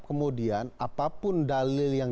kemudian apapun dalil yang